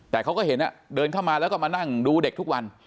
แต่เขาก็เห็นเดินเข้ามาแล้วก็มานั่งดูเด็กทุกวัน